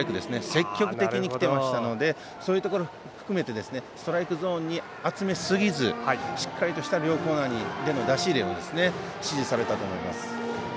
積極的にきてましたのでそういうところ含めてストライクゾーンに集めすぎず、しっかりとした両コーナーへの出し入れを指示されたと思います。